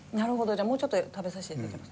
じゃあもうちょっと食べさせて頂きます。